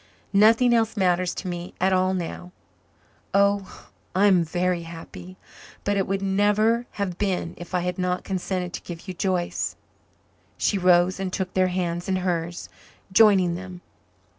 Nothing else matters to me at all now. Oh, I am very happy but it would never have been if I had not consented to give you Joyce." She rose and took their hands in hers, joining them.